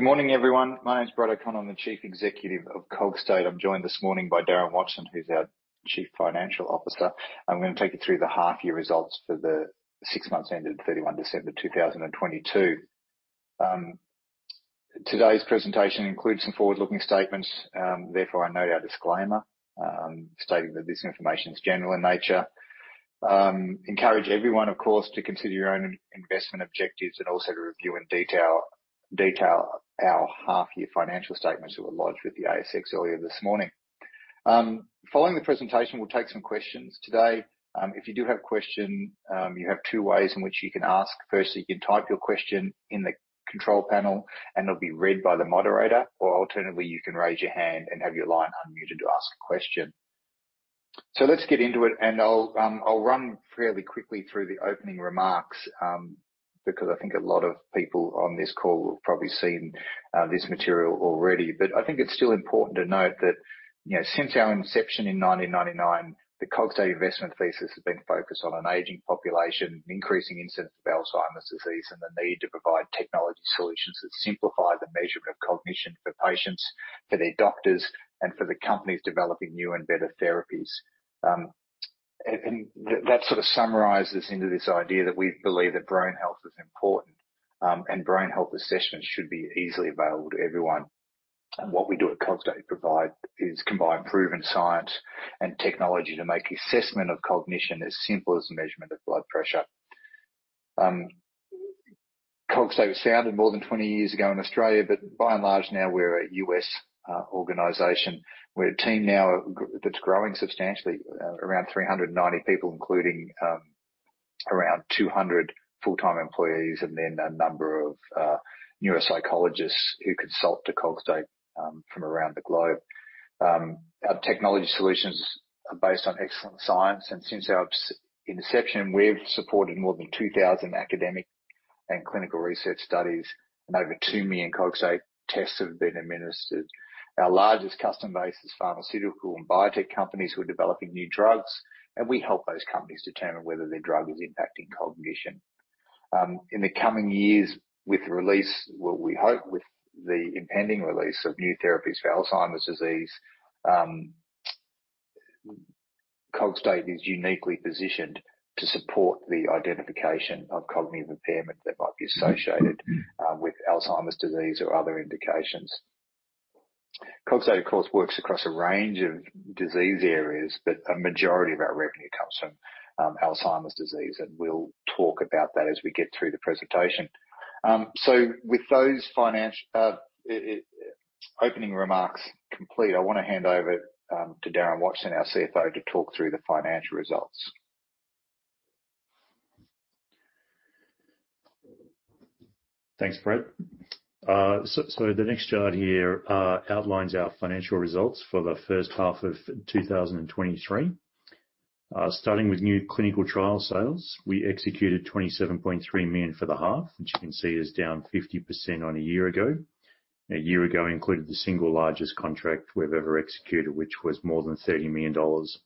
Good morning, everyone. My name is Brad O'Connor. I'm the Chief Executive of Cogstate. I'm joined this morning by Darren Watson, who's our Chief Financial Officer. I'm gonna take you through the half results for the six months ending 31 December 2022. Today's presentation includes some forward-looking statements, therefore I note our disclaimer, stating that this information is general in nature. Encourage everyone, of course, to consider your own in-investment objectives and also to review in detail our half year financial statements that were lodged with the ASX earlier this morning. Following the presentation, we'll take some questions today. If you do have a question, you have two ways in which you can ask. Firstly, you can type your question in the control panel and it'll be read by the moderator. Alternatively, you can raise your hand and have your line unmuted to ask a question. Let's get into it, and I'll run fairly quickly through the opening remarks, because I think a lot of people on this call have probably seen this material already. I think it's still important to note that, since our inception in 1999, the Cogstate investment thesis has been focused on an aging population, increasing incidence of Alzheimer's disease, and the need to provide technology solutions that simplify the measurement of cognition for patients, for their doctors, and for the companies developing new and better therapies. And that sort of summarizes into this idea that we believe that brain health is important, and brain health assessments should be easily available to everyone. What we do at Cogstate provide is combine proven science and technology to make assessment of cognition as simple as measurement of blood pressure. Cogstate was founded more than 20 years ago in Australia, but by and large now we're a U.S. organization. We're a team now that's growing substantially, around 390 people, including around 200 full-time employees and then a number of neuropsychologists who consult to Cogstate from around the globe. Our technology solutions are based on excellent science, and since our inception, we've supported more than 2,000 academic and clinical research studies, and over 2 million Cogstate tests have been administered. Our largest customer base is pharmaceutical and biotech companies who are developing new drugs, and we help those companies determine whether their drug is impacting cognition. In the coming years with the release, what we hope with the impending release of new therapies for Alzheimer's disease, Cogstate is uniquely positioned to support the identification of cognitive impairment that might be associated with Alzheimer's disease or other indications. Cogstate, of course, works across a range of disease areas, but a majority of our revenue comes from Alzheimer's disease, and we'll talk about that as we get through the presentation. With those financial opening remarks complete, I wanna hand over to Darren Watson, our CFO, to talk through the financial results. Thanks, Bred. The next chart here outlines our financial results for the first half of 2023. Starting with new clinical trial sales. We executed 27.3 million for the half, which you can see is down 50% on a year ago. A year ago included the single largest contract we've ever executed, which was more than 30 million dollars.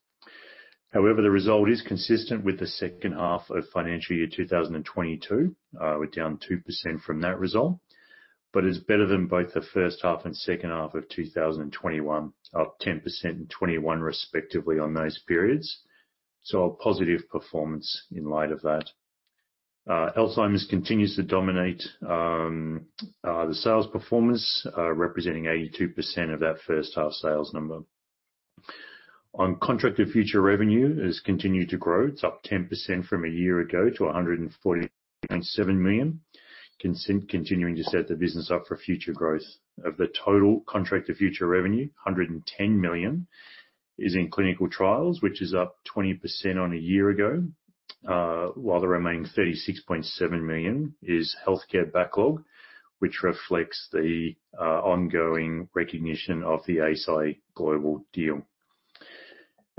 The result is consistent with the second half of financial year 2022. We're down 2% from that result, is better than both the first half and second half of 2021. Up 10% in 21 respectively on those periods. A positive performance in light of that. Alzheimer's continues to dominate the sales performance, representing 82% of that first half sales number. On contracted future revenue has continued to grow. It's up 10% from a year ago to 147 million, continuing to set the business up for future growth. Of the total contract to future revenue, 110 million is in clinical trials, which is up 20% on a year ago. While the remaining 36.7 million is healthcare backlog, which reflects the ongoing recognition of the Eisai global deal.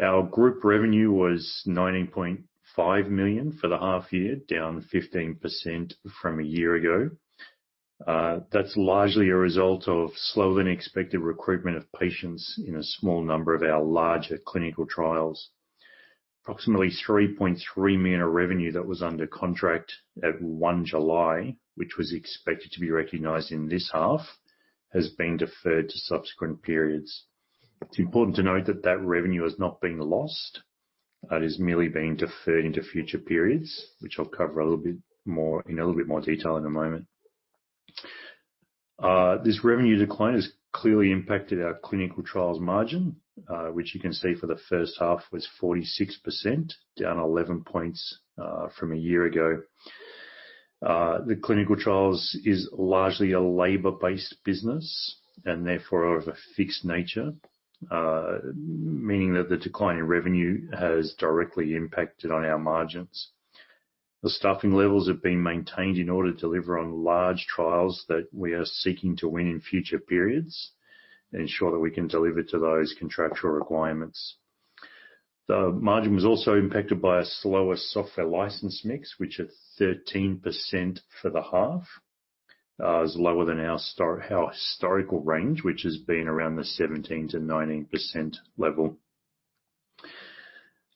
Our group revenue was 19.5 million for the half year, down 15% from a year ago. That's largely a result of slower than expected recruitment of patients in a small number of our larger clinical trials. Approximately 3.3 million of revenue that was under contract at one July, which was expected to be recognized in this half, has been deferred to subsequent periods. It's important to note that that revenue has not been lost. It is merely being deferred into future periods, which I'll cover a little bit more, in a little bit more detail in a moment. This revenue decline has clearly impacted our clinical trials margin, which you can see for the first half was 46%, down 11 points from a year ago. The clinical trials is largely a labor-based business and therefore are of a fixed nature, meaning that the decline in revenue has directly impacted on our margins. The staffing levels have been maintained in order to deliver on large trials that we are seeking to win in future periods and ensure that we can deliver to those contractual requirements. The margin was also impacted by a slower software license mix, which at 13% for the half, is lower than our historical range, which has been around the 17%-19% level.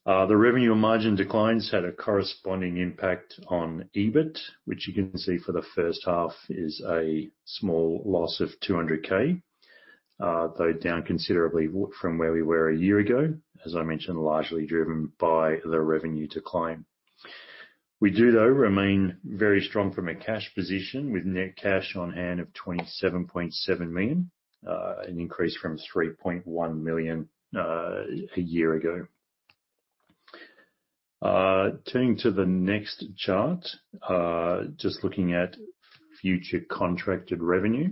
The revenue and margin declines had a corresponding impact on EBIT, which you can see for the first half is a small loss of 200K, though down considerably from where we were a year ago, as I mentioned, largely driven by the revenue decline. We do, though, remain very strong from a cash position, with net cash on hand of 27.7 million, an increase from 3.1 million a year ago. Turning to the next chart, just looking at future contracted revenue.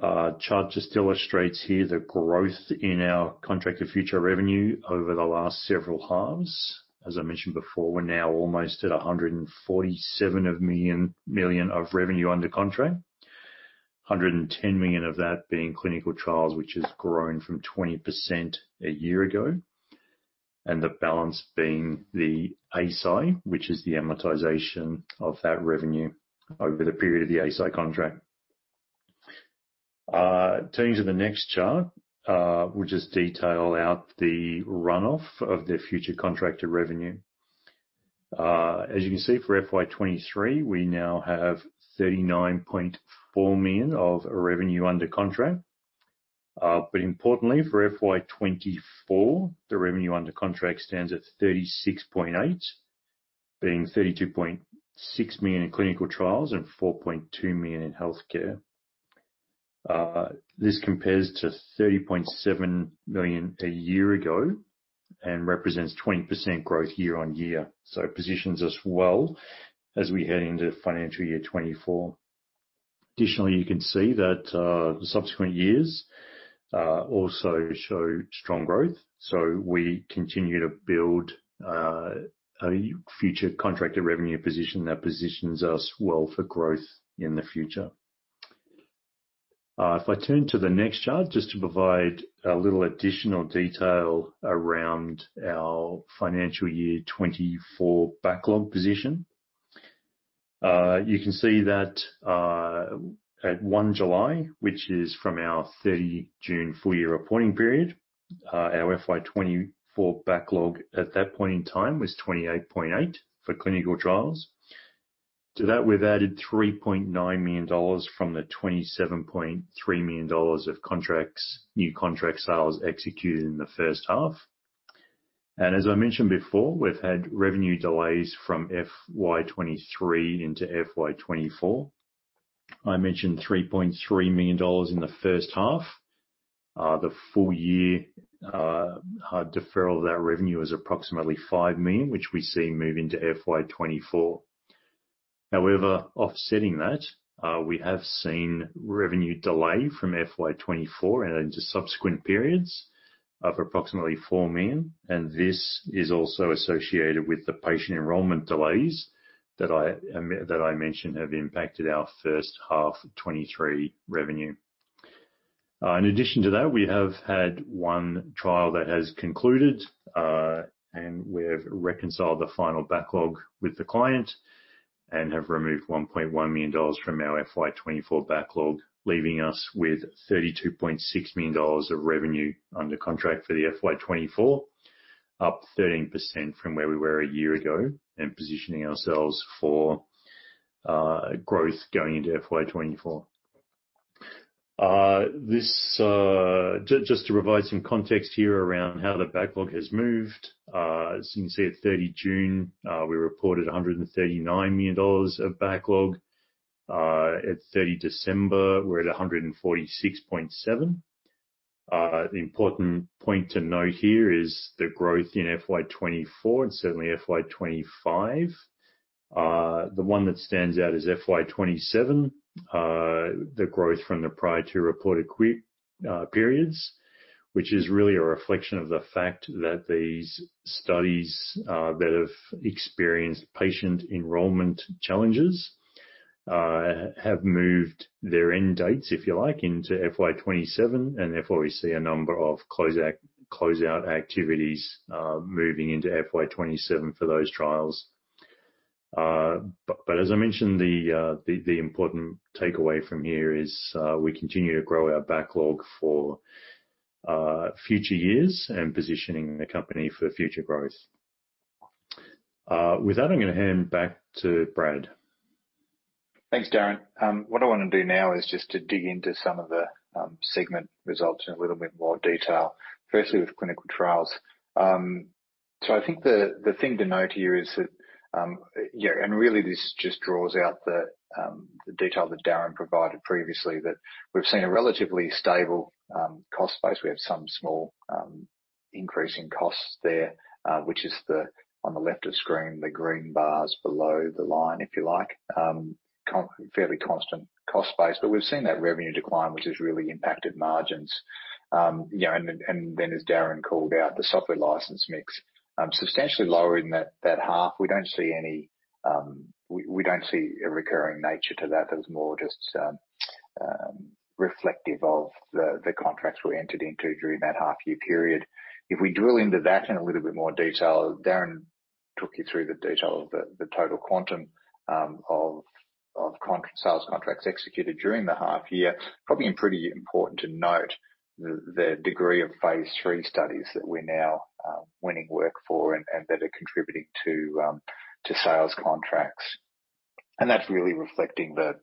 Chart just illustrates here the growth in our contracted future revenue over the last several halves. As I mentioned before, we're now almost at 147 million of revenue under contract. 110 million of that being clinical trials, which has grown from 20% a year ago, and the balance being the Eisai, which is the amortization of that revenue over the period of the Eisai contract. Turning to the next chart, we'll just detail out the runoff of the future contracted revenue. As you can see, for FY 2023, we now have 39.4 million of revenue under contract. Importantly, for FY 2024, the revenue under contract stands at 36.8 million, being 32.6 million in clinical trials and 4.2 million in healthcare. This compares to 30.7 million a year ago and represents 20% growth year-on-year. It positions us well as we head into financial year 2024. Additionally, you can see that the subsequent years also show strong growth. We continue to build a future contracted revenue position that positions us well for growth in the future. If I turn to the next chart, just to provide a little additional detail around our financial year 2024 backlog position. You can see that at 1 July, which is from our 30 June full year reporting period, our FY 2024 backlog at that point in time was 28.8 million for clinical trials. To that, we've added 3.9 million dollars from the 27.3 million dollars of contracts, new contract sales executed in the first half. As I mentioned before, we've had revenue delays from FY 2023 into FY 2024. I mentioned 3.3 million dollars in the first half. The full year deferral of that revenue is approximately 5 million, which we see move into FY 2024. However, offsetting that, we have seen revenue delay from FY 2024 and into subsequent periods of approximately 4 million, and this is also associated with the patient enrollment delays that I mentioned have impacted our first half of 2023 revenue. In addition to that, we have had one trial that has concluded, and we have reconciled the final backlog with the client and have removed 1.1 million dollars from our FY 2024 backlog, leaving us with 32.6 million dollars of revenue under contract for the FY 2024, up 13% from where we were a year ago and positioning ourselves for growth going into FY 2024. This just to provide some context here around how the backlog has moved. As you can see, at 30 June, we reported 139 million dollars of backlog. At 30 December, we're at 146.7 million. The important point to note here is the growth in FY 2024 and certainly FY 2025. The one that stands out is FY 2027, the growth from the prior two reported periods, which is really a reflection of the fact that these studies that have experienced patient enrollment challenges have moved their end dates, if you like, into FY 2027, and therefore we see a number of closeout activities moving into FY 2027 for those trials. As I mentioned, the important takeaway from here is, we continue to grow our backlog for future years and positioning the company for future growth. With that, I'm gonna hand back to Brad. Thanks, Darren. What I wanna do now is just to dig into some of the segment results in a little bit more detail, firstly with clinical trials. I think the thing to note here is that, and really this just draws out the detail that Darren provided previously, that we've seen a relatively stable cost base. We have some small increase in costs there, which is the, on the left of screen, the green bars below the line if you like. Fairly constant cost base. We've seen that revenue decline, which has really impacted margins. Then, and then as Darren called out, the software license mix substantially lower in that half. We don't see any, we don't see a recurring nature to that. That was more just reflective of the contracts we entered into during that half year period. If we drill into that in a little bit more detail, Darren took you through the detail of the total quantum of sales contracts executed during the half year. Probably pretty important to note the degree of Phase III studies that we're now winning work for and that are contributing to sales contracts. That's really reflecting, the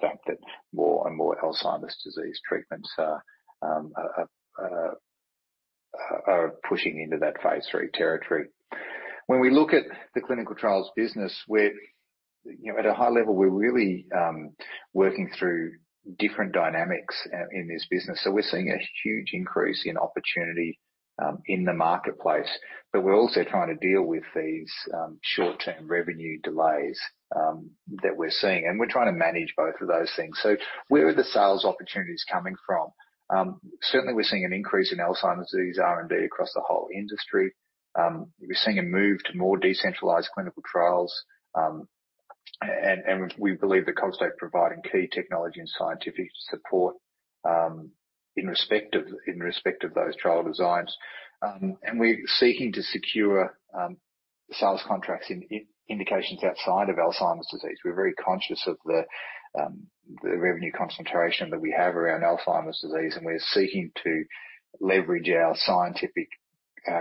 fact that more and more Alzheimer's disease treatments are pushing into that Phase III territory. When we look at the clinical trials business, we're, at a high level, we're really working through different dynamics in this business. We're seeing a huge increase in opportunity in the marketplace, but we're also trying to deal with these short-term revenue delays that we're seeing, and we're trying to manage both of those things. Where are the sales opportunities coming from? Certainly we're seeing an increase in Alzheimer's disease R&D across the whole industry. We're seeing a move to more decentralized clinical trials, and we believe that Cogstate providing key technology and scientific support in respect of those trial designs. We're seeking to secure sales contracts in indications outside of Alzheimer's disease. We're very conscious of the revenue concentration that we have around Alzheimer's disease, and we're seeking to leverage our scientific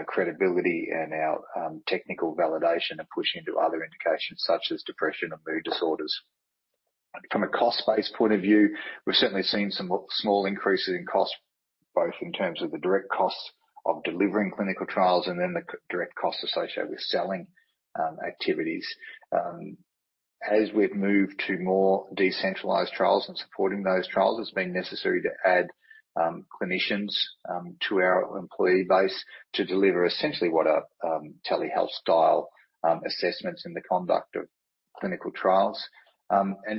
credibility and our technical validation and push into other indications such as depression and mood disorders. From a cost-based point of view, we've certainly seen some small increases in costs, both in terms of the direct costs of delivering clinical trials and then the direct costs associated with selling activities. As we've moved to more decentralized clinical trials and supporting those trials, it's been necessary to add clinicians to our employee base to deliver essentially what are telehealth style assessments in the conduct of clinical trials.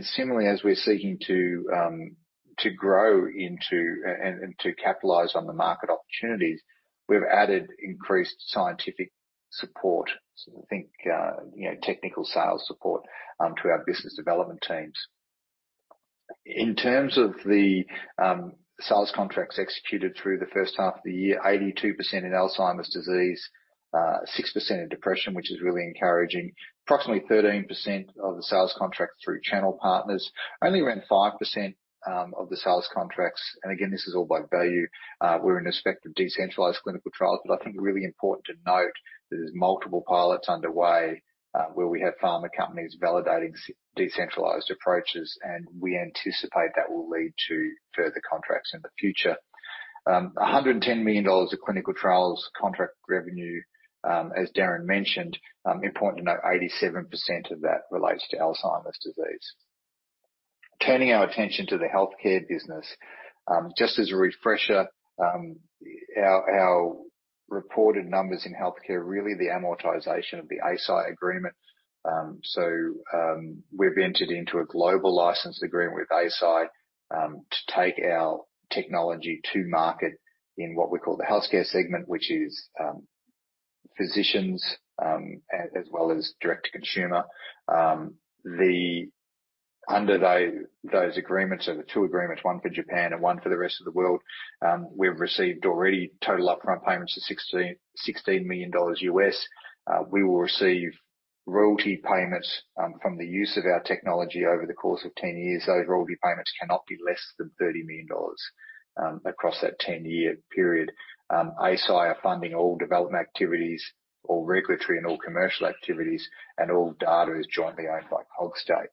Similarly, as we're seeking to grow and to capitalize on the market opportunities, we've added increased scientific support. Think, technical sales support to our business development teams. In terms of the sales contracts executed through the first half of the year, 82% in Alzheimer's disease, 6% in depression, which is really encouraging. Approximately 13% of the sales contracts through channel partners. Only around 5% of the sales contracts, and again, this is all by value, were in respect of decentralized clinical trials. I think really important to note, there's multiple pilots underway, where we have pharma companies validating decentralized approaches, and we anticipate that will lead to further contracts in the future. $110 million of clinical trials contract revenue, as Darren mentioned. Important to note, 87% of that relates to Alzheimer's disease. Turning our attention to the healthcare business. Just as a refresher, our reported numbers in healthcare are really the amortization of the Eisai agreement. We've entered into a global license agreement with Eisai to take our technology to market in what we call the healthcare segment, which is physicians, as well as direct to consumer. Under those agreements, so the two agreements, one for Japan and one for the rest of the world, we've received already total upfront payments of $16 million. We will receive royalty payments from the use of our technology over the course of 10 years. Those royalty payments cannot be less than $30 million across that 10-year period. Eisai are funding all development activities, all regulatory and all commercial activities, and all data is jointly owned by Cogstate.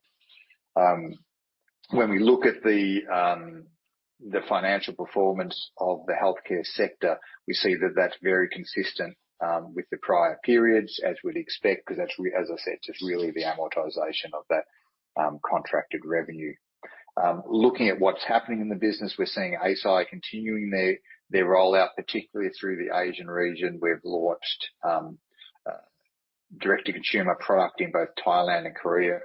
When we look at the financial performance of the healthcare sector, we see that that's very consistent with the prior periods, as we'd expect, 'cause that's as I said, just really the amortization of that contracted revenue. Looking at what's happening in the business, we're seeing Eisai continuing their rollout, particularly through the Asian region. We've launched a direct-to-consumer product in both Thailand and Korea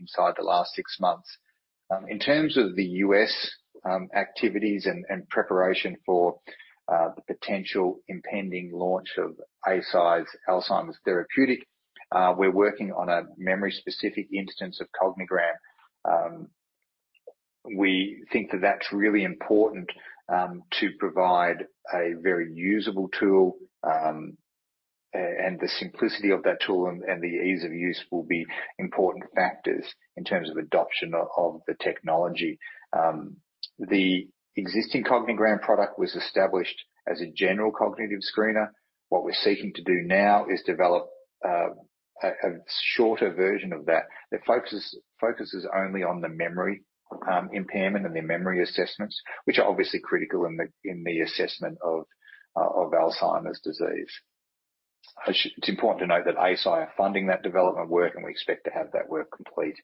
inside the last six months. In terms of the U.S. activities and preparation for the potential impending launch of Eisai's Alzheimer's therapeutic, we're working on a memory-specific instance of Cognigram. We think that that's really important to provide a very usable tool, and the simplicity of that tool and the ease of use will be important factors in terms of adoption of the technology. The existing Cognigram product was established as a general cognitive screener. What we're seeking to do now is develop a shorter version of that focuses only on the memory impairment and the memory assessments, which are obviously critical in the assessment of Alzheimer's disease. It's important to note that Eisai are funding that development work, and we expect to have that work complete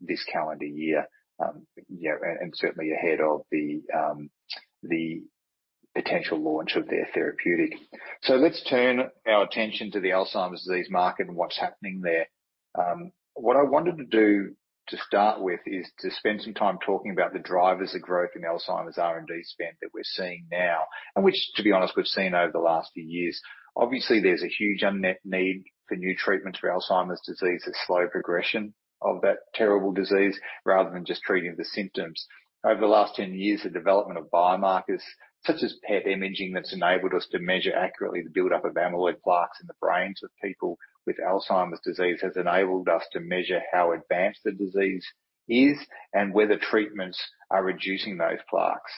this calendar year. You know, and certainly ahead of the potential launch of their therapeutic. Let's turn our attention to the Alzheimer's disease market and what's happening there. What I wanted to do to start with is to spend some time talking about the drivers of growth in Alzheimer's R&D spend that we're seeing now, and which, to be honest, we've seen over the last few years. Obviously, there's a huge unmet need for new treatments for Alzheimer's disease that slow progression of that terrible disease rather than just treating the symptoms. Over the last 10 years, the development of biomarkers such as PET imaging that's enabled us to measure accurately the buildup of amyloid plaques in the brains of people with Alzheimer's disease, has enabled us to measure how advanced the disease is and whether treatments are reducing those plaques.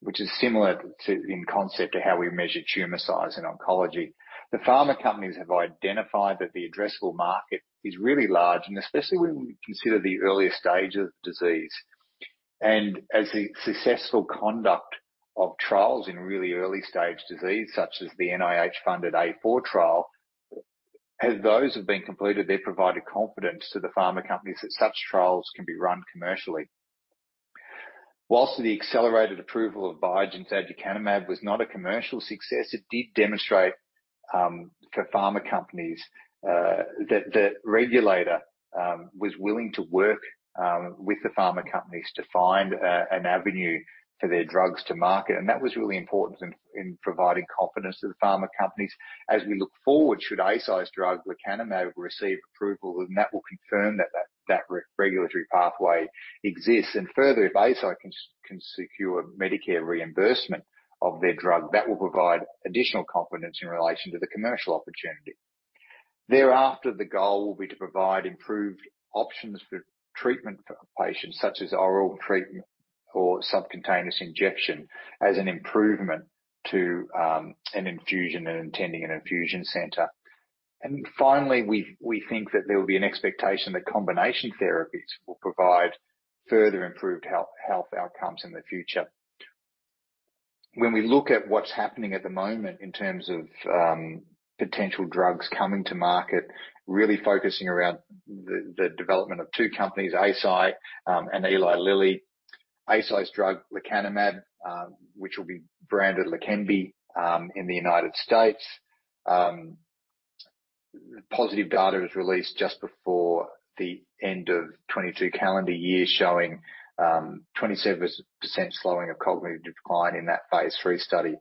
Which is similar to, in concept to how we measure tumor size in oncology. The pharma companies have identified that the addressable market is really large, and especially when we consider the earlier stage of disease. As the successful conduct of trials in really early stage disease, such as the NIH-funded A4 trial, as those have been completed, they've provided confidence to the pharma companies that such trials can be run commercially. Whilst the accelerated approval of Biogen's Aducanumab was not a commercial success, it did demonstrate for pharma companies that the regulator was willing to work with the pharma companies to find an avenue for their drugs to market. That was really important in providing confidence to the pharma companies. As we look forward, should Eisai's drug Lecanemab receive approval, that will confirm that re-regulatory pathway exists. Further, if Eisai can secure Medicare reimbursement of their drug, that will provide additional confidence in relation to the commercial opportunity. Thereafter, the goal will be to provide improved options for treatment for patients such as oral treatment or subcutaneous injection as an improvement to an infusion and attending an infusion center. Finally, we think that there will be an expectation that combination therapies will provide further improved health outcomes in the future. When we look at what's happening at the moment in terms of potential drugs coming to market, really focusing around the development of two companies, Eisai and Eli Lilly. Eisai's drug Lecanemab, which will be branded Leqembi in the United States. Positive data was released just before the end of 2022 calendar year showing 27% slowing of cognitive decline in that Phase III study.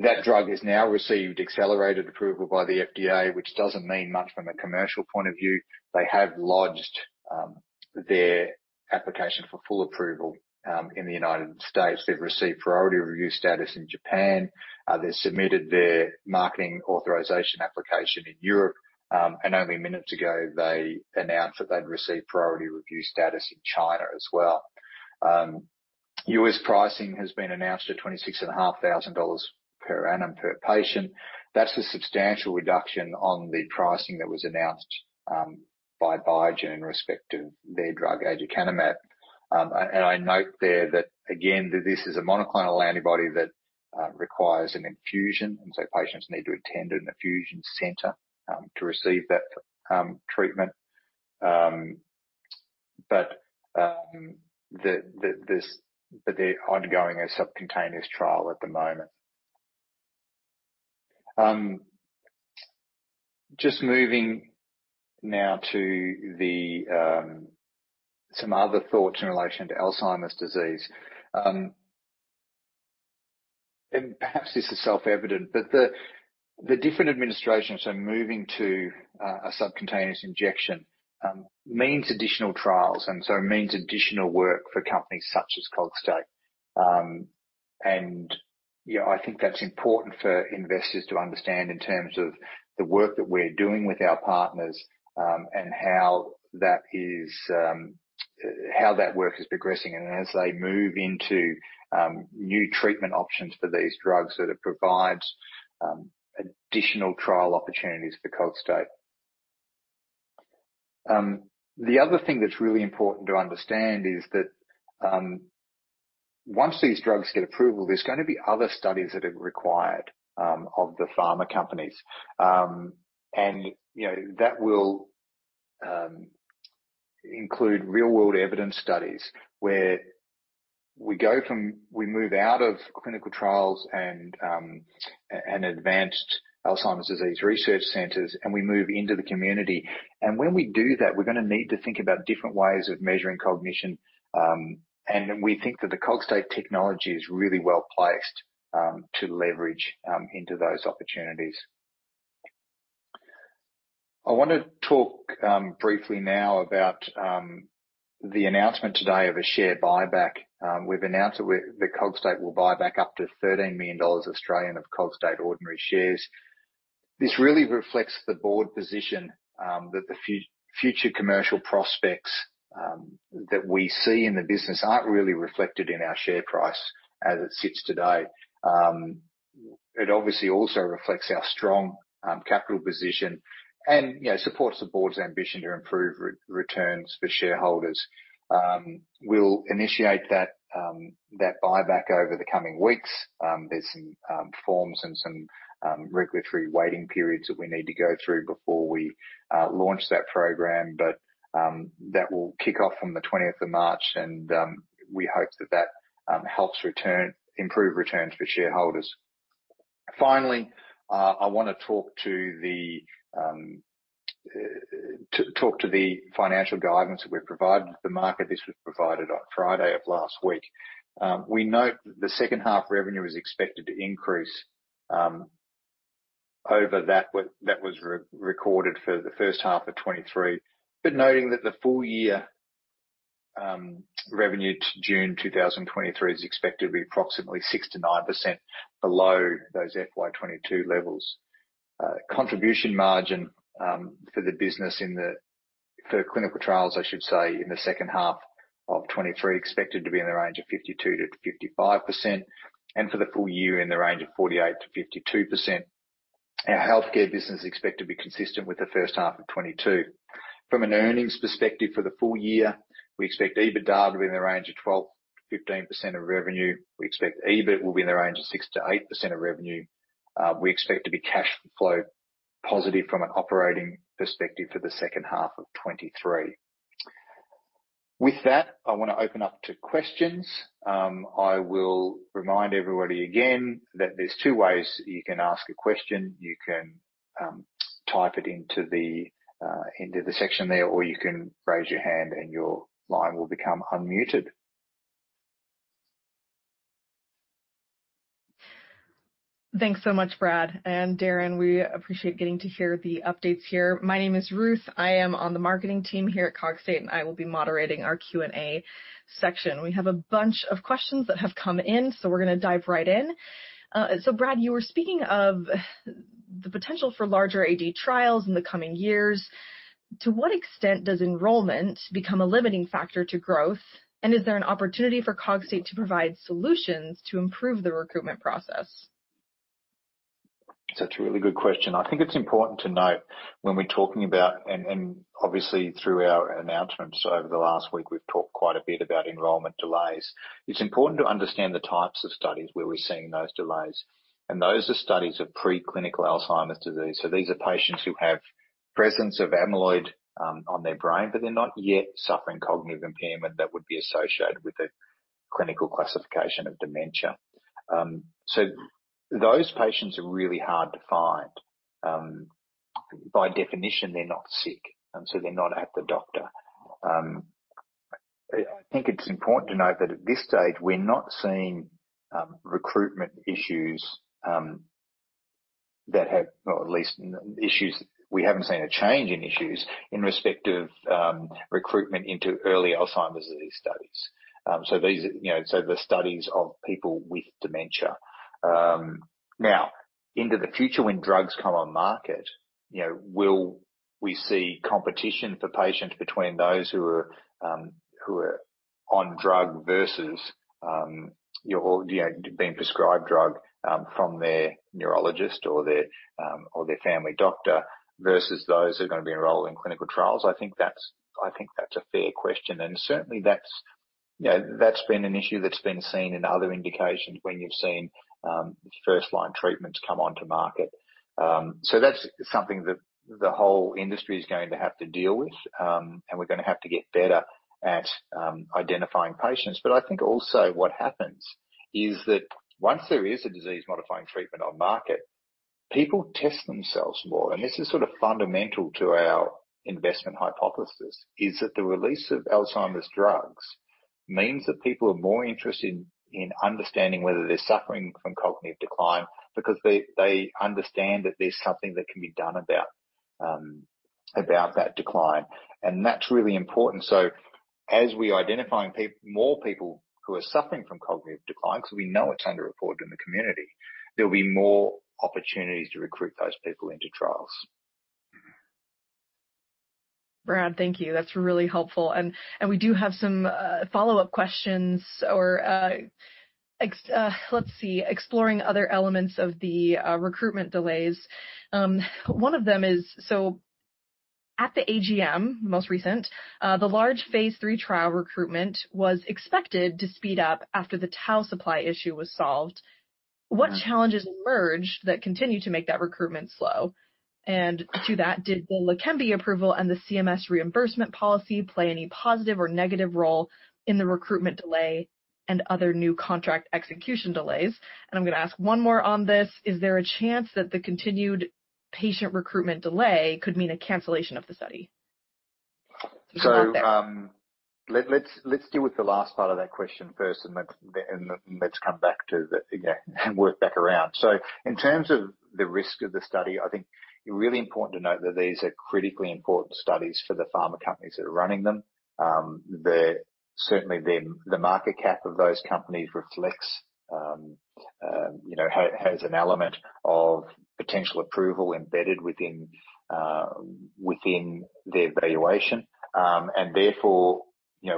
That drug has now received accelerated approval by the FDA, which doesn't mean much from a commercial point of view. They have lodged their application for full approval in the United States. They've received priority review status in Japan. They submitted their marketing authorization application in Europe. Only minutes ago they announced that they'd received priority review status in China as well. US pricing has been announced at $26,500 per annum per patient. That's a substantial reduction on the pricing that was announced by Biogen in respect of their drug Aducanumab. And I note there that again, this is a monoclonal antibody that requires an infusion, and so patients need to attend an infusion center to receive that treatment. But this-- But they're ongoing a subcutaneous trial at the moment. Just moving now to the some other thoughts in relation to Alzheimer's disease. Perhaps this is self-evident, but the different administrations are moving to a subcutaneous injection means additional trials, and so it means additional work for companies such as Cogstate. I think that's important for investors to understand in terms of the work that we're doing with our partners, and how that is, how that work is progressing. As they move into, new treatment options for these drugs, that it provides, additional trial opportunities for Cogstate. The other thing that's really important to understand is that, once these drugs get approval, there's gonna be other studies that are required, of the pharma companies. You know, that will, include real-world evidence studies where we move out of clinical trials and advanced Alzheimer's disease research centers, and we move into the community. When we do that, we're gonna need to think about different ways of measuring cognition, and we think that the Cogstate technology is really well-placed to leverage into those opportunities. I wanna talk briefly now about the announcement today of a share buyback. We've announced that Cogstate will buy back up to 13 million Australian dollars of Cogstate ordinary shares. This really reflects the board position that the future commercial prospects that we see in the business aren't really reflected in our share price as it sits today. It obviously also reflects our strong capital position and, supports the board's ambition to improve returns for shareholders. We'll initiate that buyback over the coming weeks. There's some forms and some regulatory waiting periods that we need to go through before we launch that program. That will kick off from the 20th of March, and we hope that that improve returns for shareholders. Finally, I wanna talk to the financial guidance that we've provided the market. This was provided on Friday of last week. We note that the second half revenue is expected to increase over that was re-recorded for the first half of 2023. Noting that the full year revenue to June 2023 is expected to be approximately 6%-9% below those FY22 levels. Contribution margin for clinical trials, I should say, in the second half of 2023 expected to be in the range of 52%-55% and for the full year in the range of 48%-52%. Our healthcare business is expected to be consistent with the first half of 2022. From an earnings perspective, for the full year, we expect EBITDA to be in the range of 12%-15% of revenue. We expect EBIT will be in the range of 6%-8% of revenue. We expect to be cash flow positive from an operating perspective for the second half of 2023. With that, I wanna open up to questions. I will remind everybody again that there's 2 ways you can ask a question. You can type it into the section there, or you can raise your hand and your line will become unmuted. Thanks so much, Brad and Darren. We appreciate getting to hear the updates here. My name is Ruth. I am on the marketing team here at Cogstate, and I will be moderating our Q&A section. We have a bunch of questions that have come in, so we're gonna dive right in. Brad, you were speaking of the potential for larger AD trials in the coming years. To what extent does enrollment become a limiting factor to growth? Is there an opportunity for Cogstate to provide solutions to improve the recruitment process? That's a really good question. I think it's important to note when we're talking about and obviously through our announcements over the last week, we've talked quite a bit about enrollment delays. It's important to understand the types of studies where we're seeing those delays, and those are studies of preclinical Alzheimer's disease. These are patients who have presence of amyloid on their brain, but they're not yet suffering cognitive impairment that would be associated with a clinical classification of dementia. Those patients are really hard to find. By definition, they're not sick, and so they're not at the doctor. I think it's important to note that at this stage we're not seeing recruitment issues or at least issues, we haven't seen a change in issues in respect of recruitment into early Alzheimer's disease studies. These are, the studies of people with dementia. Now into the future, when drugs come on market, will we see competition for patients between those who are on drug versus, or, being prescribed drug from their neurologist or their family doctor versus those who are going to be enrolled in clinical trials? I think that's a fair question. Certainly that's, that's been an issue that's been seen in other indications when you've seen first line treatments come onto market. That's something that the whole industry is going to have to deal with. We're going to have to get better at identifying patients. I think also what happens is that once there is a disease modifying treatment on market, people test themselves more. This is sort of fundamental to our investment hypothesis, is that the release of Alzheimer's drugs means that people are more interested in understanding whether they're suffering from cognitive decline because they understand that there's something that can be done about that decline. That's really important. As we're identifying more people who are suffering from cognitive decline, because we know it's underreported in the community, there'll be more opportunities to recruit those people into trials. Brad, thank you. That's really helpful. And we do have some follow-up questions or let's see, exploring other elements of the recruitment delays. One of them is, at the AGM, most recent, the large Phase III trial recruitment was expected to speed up after the tau supply issue was solved. What challenges emerged that continue to make that recruitment slow? To that, did the Leqembi approval and the CMS reimbursement policy play any positive or negative role in the recruitment delay and other new contract execution delays? I'm gonna ask one more on this: is there a chance that the continued patient recruitment delay could mean a cancellation of the study? Let's deal with the last part of that question first and let's come back to the, work back around. In terms of the risk of the study, I think it's really important to note that these are critically important studies for the pharma companies that are running them. Certainly, the market cap of those companies reflects, has an element of potential approval embedded within their valuation. Therefore,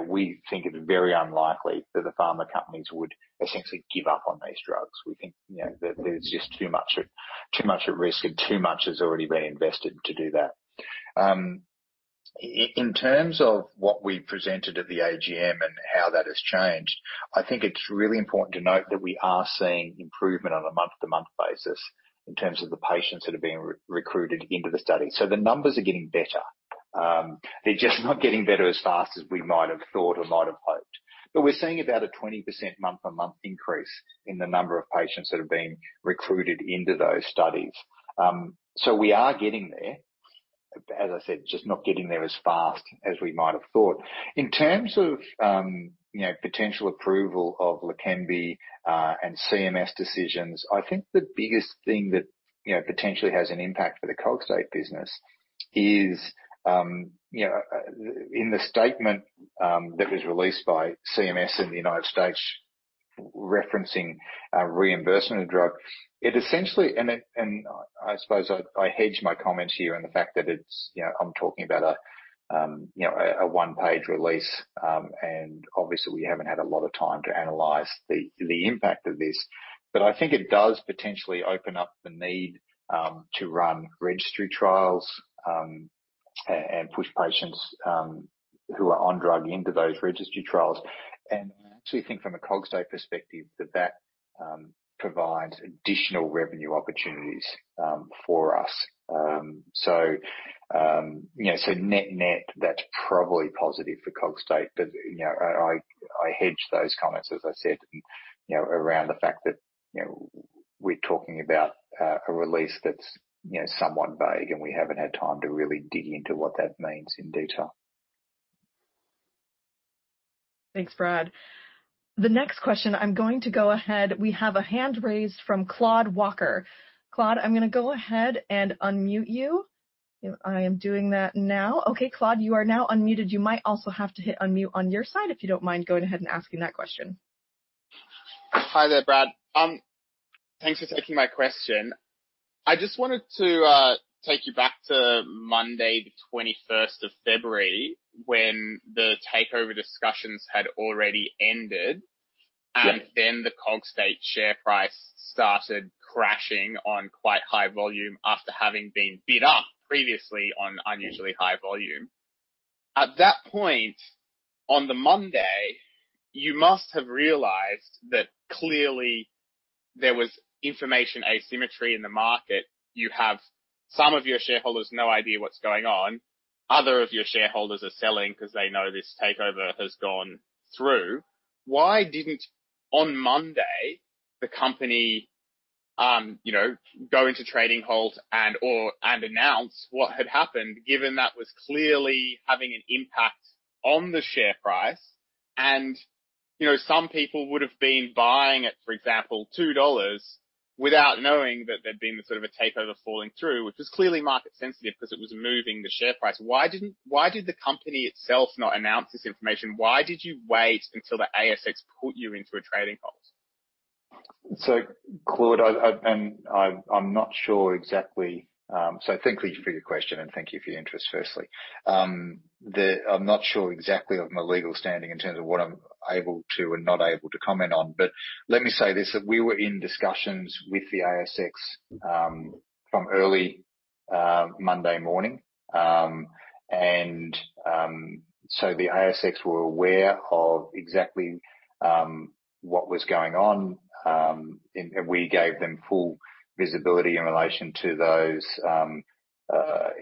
we think it very unlikely that the pharma companies would essentially give up on these drugs. We think that there's just too much at risk and too much has already been invested to do that. In terms of what we presented at the AGM and how that has changed, I think it's really important to note that we are seeing improvement on a month-to-month basis in terms of the patients that are being re-recruited into the study. The numbers are getting better. They're just not getting better as fast as we might have thought or might have hoped. We're seeing about a 20% month-on-month increase in the number of patients that have been recruited into those studies. We are getting there, as I said, just not getting there as fast as we might have thought. In terms of, potential approval of Leqembi, and CMS decisions, I think the biggest thing that, potentially has an impact for the Cogstate business is, in the statement that was released by CMS in the United States referencing reimbursement of drug. I suppose I hedge my comments here and the fact that it's, I'm talking about a one-page release. Obviously we haven't had a lot of time to analyze the impact of this. I think it does potentially open up the need to run registry trials, and push patients who are on drug into those registry trials. I actually think from a Cogstate perspective that provides additional revenue opportunities for us. You know, so net-net, that's probably positive for Cogstate. You know, I hedge those comments, as I said, around the fact that, we're talking about a release that's, somewhat vague, and we haven't had time to really dig into what that means in detail. Thanks, Brad. The next question, I'm going to go ahead. We have a hand raised from Claude Walker. Claude, I'm gonna go ahead and unmute you. I am doing that now. Okay, Claude, you are now unmuted. You might also have to hit unmute on your side if you don't mind going ahead and asking that question. Hi there, Brad. Thanks for taking my question. I just wanted to take you back to Monday, the 21st of February, when the takeover discussions had already ended. Yes. The Cogstate share price started crashing on quite high volume after having been bid up previously on unusually high volume. At that point, on the Monday, you must have realized that clearly there was information asymmetry in the market. You have some of your shareholders, no idea what's going on. Other of your shareholders are selling because they know this takeover has gone through. Why didn't, on Monday, the company, go into trading halt and/or, and announce what had happened, given that was clearly having an impact on the share price? You know, some people would have been buying at, for example, 2 dollars without knowing that there'd been sort of a takeover falling through, which was clearly market sensitive because it was moving the share price. Why did the company itself not announce this information? Why did you wait until the ASX put you into a trading halt? Claude, I'm not sure exactly. Thankfully for your question, and thank you for your interest, firstly. I'm not sure exactly of my legal standing in terms of what I'm able to and not able to comment on. Let me say this, that we were in discussions with the ASX from early Monday morning. The ASX were aware of exactly what was going on. We gave them full visibility in relation to those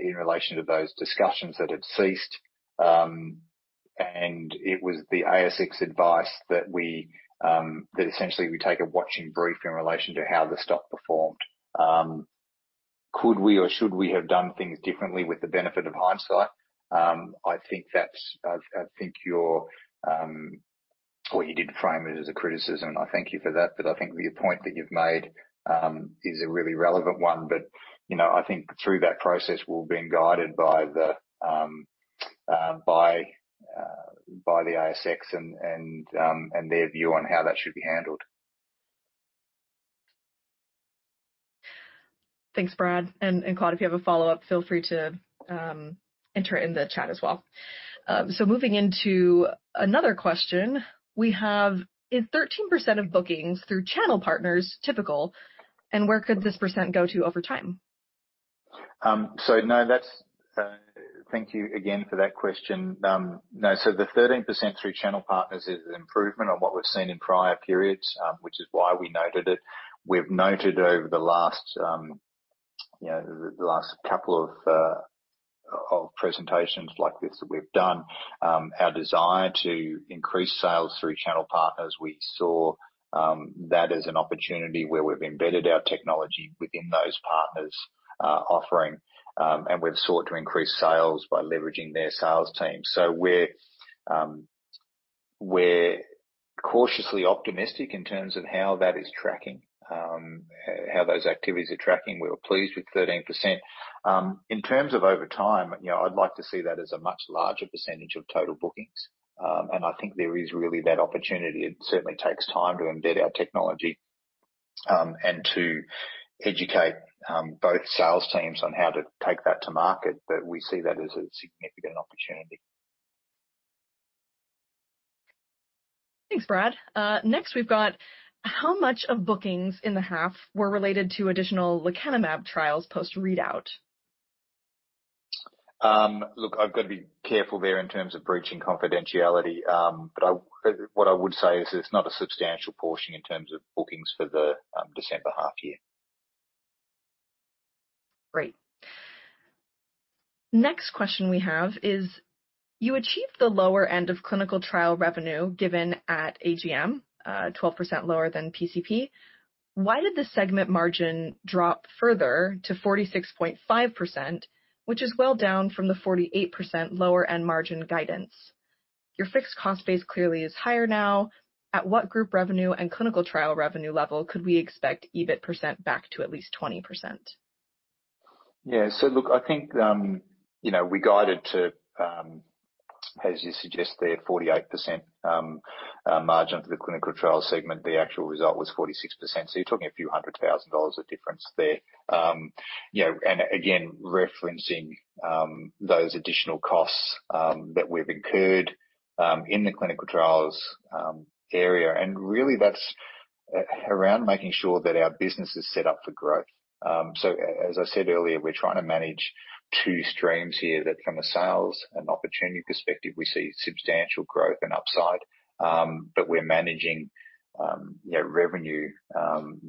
in relation to those discussions that had ceased. It was the ASX advice that we that essentially, we take a watching brief in relation to how the stock performed. Could we or should we have done things differently with the benefit of hindsight? I think that's, I think your... What you did frame it as a criticism. I thank you for that, I think the point that you've made, is a really relevant one. You know, I think through that process, we've been guided by the ASX and their view on how that should be handled. Thanks, Brad. Claude, if you have a follow-up, feel free to enter in the chat as well. Moving into another question we have. Is 13% of bookings through channel partners typical? Where could this percent go to over time? No. Thank you again for that question. No. The 13% through channel partners is an improvement on what we've seen in prior periods, which is why we noted it. We've noted over the last, the last couple of presentations like this that we've done, our desire to increase sales through channel partners. We saw that as an opportunity where we've embedded our technology within those partners' offering, and we've sought to increase sales by leveraging their sales team. We're cautiously optimistic in terms of how that is tracking, how those activities are tracking. We were pleased with 13%. In terms of over time, I'd like to see that as a much larger percentage of total bookings. I think there is really that opportunity. It certainly takes time to embed our technology, and to educate, both sales teams on how to take that to market. We see that as a significant opportunity. Thanks, Brad. Next we've got, how much of bookings in the half were related to additional Lecanemab trials post-readout? Look, I've got to be careful there in terms of breaching confidentiality. What I would say is it's not a substantial portion in terms of bookings for the December half year. Great. Next question we have is, you achieved the lower end of clinical trial revenue given at AGM, 12% lower than PCP. Why did the segment margin drop further to 46.5%, which is well down from the 48% lower end margin guidance? Your fixed cost base clearly is higher now. At what group revenue and clinical trial revenue level could we expect EBIT % back to at least 20%? Yeah. Look, I think, we guided to, as you suggest there, 48% margin for the clinical trial segment. The actual result was 46%, so you're talking a few hundred thousand dollars of difference there. You know, again, referencing those additional costs that we've incurred in the clinical trials area, and really that's around making sure that our business is set up for growth. As I said earlier, we're trying to manage two streams here that from a sales and opportunity perspective, we see substantial growth and upside, but we're managing, revenue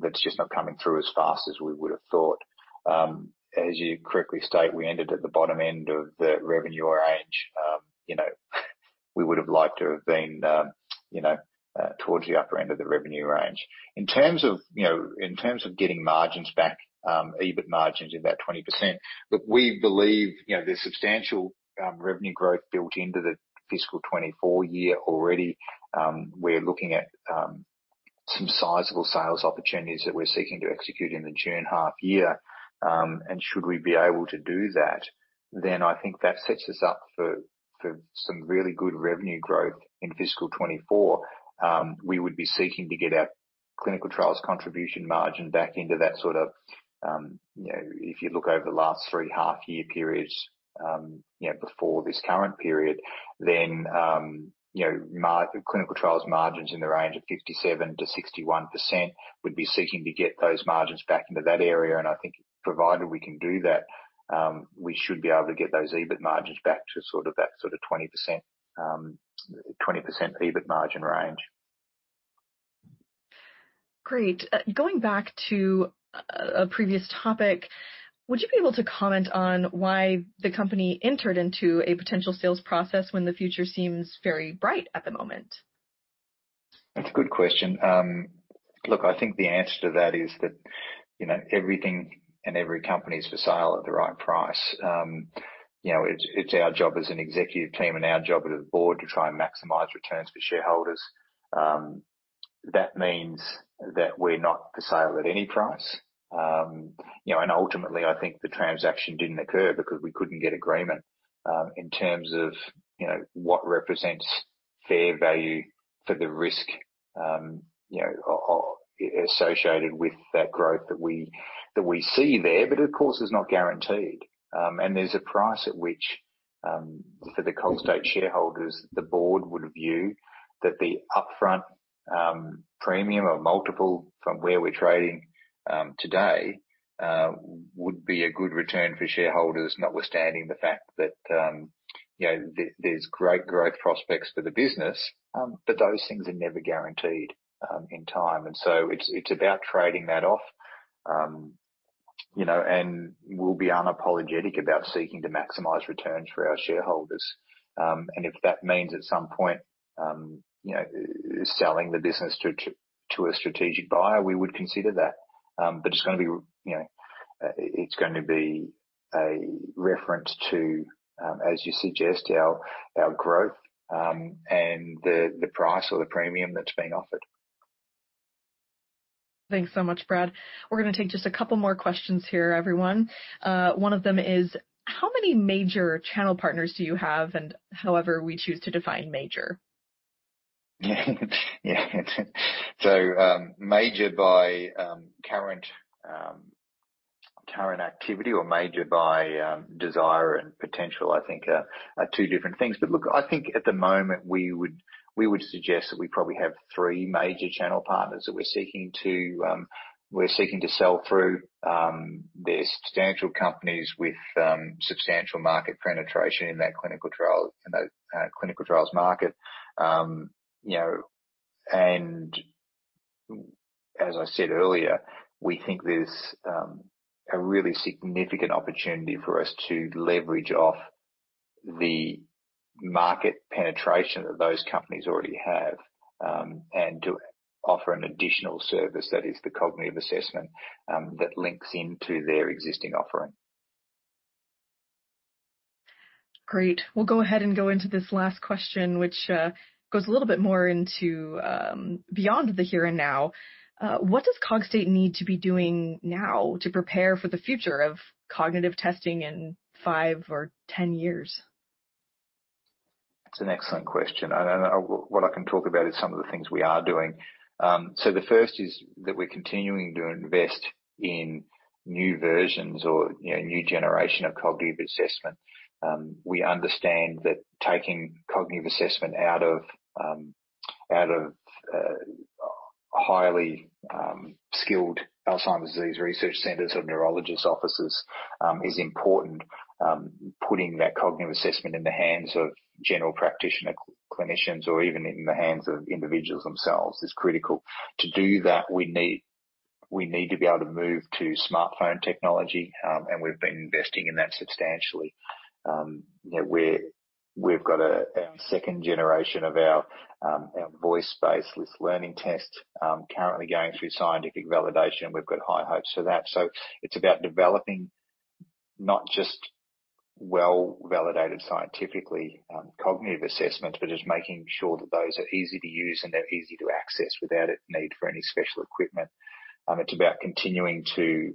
that's just not coming through as fast as we would have thought. As you correctly state, we ended at the bottom end of the revenue range. You know, we would have liked to have been, towards the upper end of the revenue range. In terms of, in terms of getting margins back, EBIT margins of about 20%. Look, we believe, there's substantial revenue growth built into the fiscal 2024 year already. We're looking at some sizable sales opportunities that we're seeking to execute in the June half year. Should we be able to do that, then I think that sets us up for some really good revenue growth in fiscal 2024. We would be seeking to get our clinical trials contribution margin back into that sort of, if you look over the last three half year periods, before this current period, then, clinical trials margins in the range of 57%-61%. We'd be seeking to get those margins back into that area. I think provided we can do that, we should be able to get those EBIT margins back to sort of that sort of 20%, 20% EBIT margin range. Great. Going back to a previous topic, would you be able to comment on why the company entered into a potential sales process when the future seems very bright at the moment? That's a good question. Look, I think the answer to that is that, everything and every company is for sale at the right price. You know, it's our job as an executive team and our job as a board to try and maximize returns for shareholders. That means that we're not for sale at any price. You know, and ultimately, I think the transaction didn't occur because we couldn't get agreement, in terms of, what represents fair value for the risk, associated with that growth that we, that we see there, but of course, is not guaranteed. There's a price at which, for the Cogstate shareholders, the board would view that the upfront premium or multiple from where we're trading today, would be a good return for shareholders, notwithstanding the fact that, there's great growth prospects for the business. Those things are never guaranteed in time. It's about trading that off. You know, we'll be unapologetic about seeking to maximize returns for our shareholders. If that means at some point, selling the business to a strategic buyer, we would consider that. It's gonna be, it's gonna be a reference to, as you suggest, our growth, and the price or the premium that's being offered. Thanks so much, Brad. We're gonna take just a couple more questions here, everyone. One of them is how many major channel partners do you have? However we choose to define major. Major by current activity or major by desire and potential, I think, are two different things. Look, I think at the moment, we would suggest that we probably have three major channel partners that we're seeking to sell through. They're substantial companies with substantial market penetration in that clinical trials market. You know, and as I said earlier, we think there's a really significant opportunity for us to leverage off the market penetration that those companies already have, and to offer an additional service that is the cognitive assessment that links into their existing offering. Great. We'll go ahead and go into this last question, which goes a little bit more into beyond the here and now. What does Cogstate need to be doing now to prepare for the future of cognitive testing in five or 10 years? That's an excellent question. What I can talk about is some of the things we are doing. The first is that we're continuing to invest in new versions or, new generation of cognitive assessment. We understand that taking cognitive assessment out of out of highly skilled Alzheimer's disease research centers or neurologist offices is important. Putting that cognitive assessment in the hands of general practitioner clinicians or even in the hands of individuals themselves is critical. To do that, we need to be able to move to smartphone technology. We've been investing in that substantially. You know, we've got a, our second generation of our voice-based list learning test currently going through scientific validation. We've got high hopes for that. It's about developing not just well validated scientifically, cognitive assessments, but just making sure that those are easy to use and they're easy to access without a need for any special equipment. It's about continuing to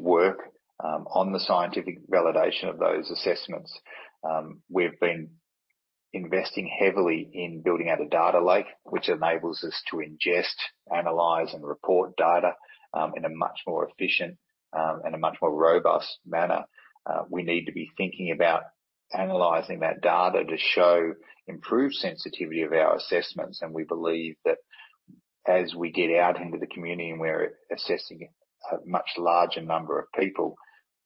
work on the scientific validation of those assessments. We've been investing heavily in building out a data lake, which enables us to ingest, analyze, and report data in a much more efficient and a much more robust manner. We need to be thinking about analyzing that data to show improved sensitivity of our assessments. We believe that as we get out into the community and we're assessing a much larger number of people,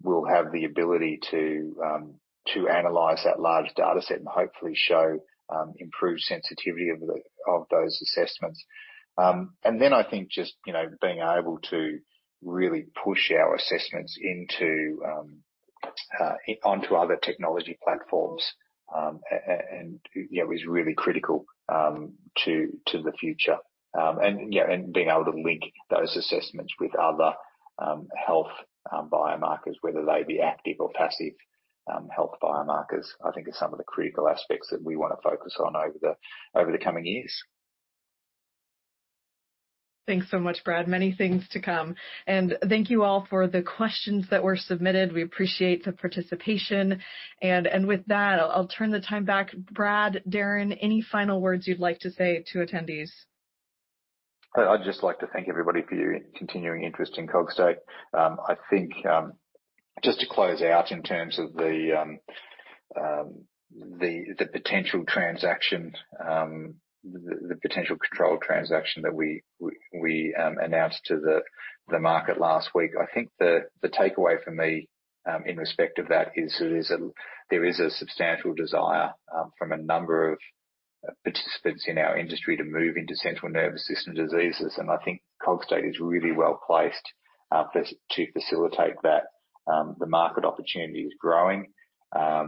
we'll have the ability to analyze that large data set and hopefully show improved sensitivity of those assessments. Then I think just, being able to really push our assessments into onto other technology platforms, and, is really critical to the future. You know, know and being able to link those assessments with other health biomarkers, whether they be active or passive, health biomarkers, I think are some of the critical aspects that we wanna focus on over the, over the coming years. Thanks so much, Brad. Many things to come. Thank you all for the questions that were submitted. We appreciate the participation. With that, I'll turn the time back. Brad, Darren, any final words you'd like to say to attendees? I'd just like to thank everybody for your continuing interest in Cogstate. I think, just to close out in terms of the potential transaction, the potential control transaction that we announced to the market last week. I think the takeaway for me, in respect of that is there is a substantial desire from a number of participants in our industry to move into central nervous system diseases. I think Cogstate is really well placed to facilitate that. The market opportunity is growing. I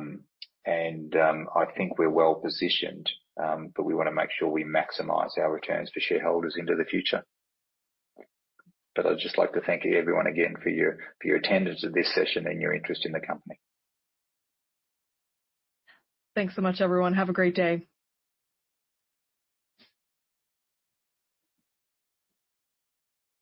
think we're well-positioned, but we wanna make sure we maximize our returns for shareholders into the future. I'd just like to thank everyone again for your attendance of this session and your interest in the company. Thanks so much, everyone. Have a great day.